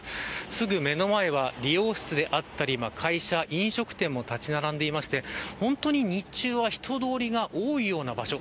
すぐ目の前は美容室であったり会社飲食店も建ち並んでいて日中は人通りが多いような場所。